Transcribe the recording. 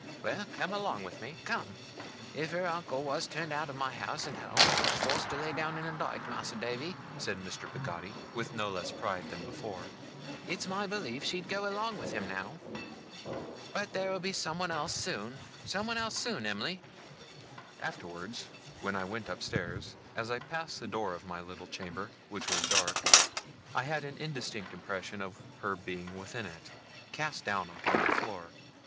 Well! come along with me come! If her uncle was turned out of house and home, and forced to lay down in a dyke, Mas'r Davy,' said Mr. Peggotty, with no less pride than before, 'it's my belief she'd go along with him, now! But there'll be someone else, soon, someone else, soon, Em'ly!' Afterwards, when I went upstairs, as I passed the door of my little chamber, which was dark, I had an indistinct impression of her being within it, cast down upon the floor.